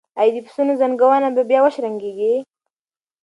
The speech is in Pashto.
ایا د پسونو زنګونه به بیا وشرنګیږي؟